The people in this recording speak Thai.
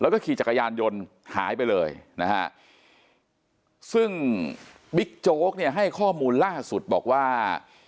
แล้วก็ขี่จักรยานยนต์หายไปเลยนะฮะซึ่งบิ๊กโจ๊กเนี่ยให้ข้อมูลล่าสุดบอกว่า